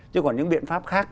chứ còn những biện pháp khác